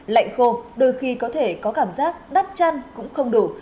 lạnh khô đôi khi có thể có cảm giác đắp chăn cũng không đủ